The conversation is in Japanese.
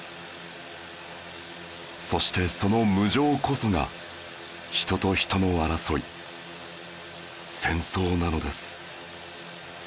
そしてその無情こそが人と人の争い戦争なのです